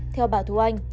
theo bà thu anh